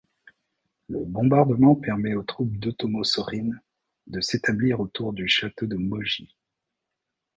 Le bombardement permet aux troupes d'Ōtomo Sōrin de s'établir autour du château de Moji.